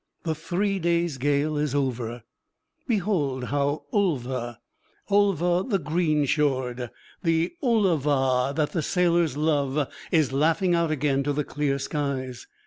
The three days' gale is over. Behold how Ulva Ulva the green shored the Ool a va that the sailors love is laughing out again to the clear skies!